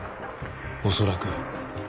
恐らく。